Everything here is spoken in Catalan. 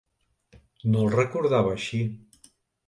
No el recordava així.